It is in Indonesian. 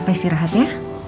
pape istirahat ya